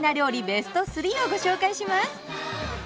ベスト３をご紹介します。